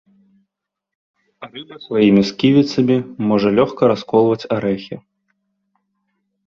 Рыба сваімі сківіцамі можа лёгка расколваць арэхі.